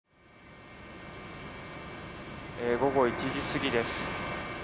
午後１時過ぎです。